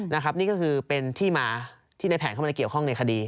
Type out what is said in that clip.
นี่ก็คือเป็นที่มาที่ในแผนเข้ามาเกี่ยวข้องในคดี